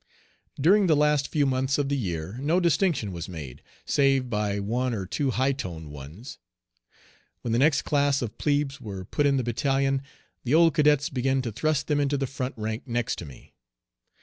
During the last few months of the year no distinction was made, save by one or two high toned ones. When the next class of plebes were put in the battalion, the old cadets began to thrust them into the front rank next to me.